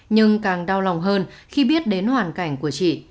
nhưng càng đau lòng hơn khi biết đến hoàn cảnh của chị